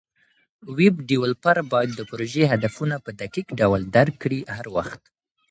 ویب ډیولپر باید د پروژې هدفونه په دقیق ډول درک کړي هر وخت.